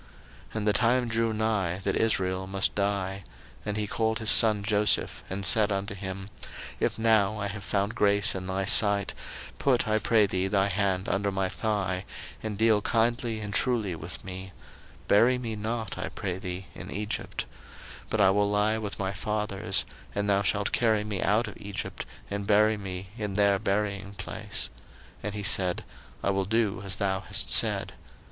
01:047:029 And the time drew nigh that Israel must die: and he called his son Joseph, and said unto him, If now I have found grace in thy sight, put, I pray thee, thy hand under my thigh, and deal kindly and truly with me; bury me not, I pray thee, in Egypt: 01:047:030 But I will lie with my fathers, and thou shalt carry me out of Egypt, and bury me in their buryingplace. And he said, I will do as thou hast said.